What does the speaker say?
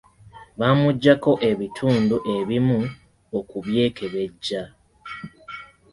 Bamuggyako ebitundu ebimu okubyekebejja.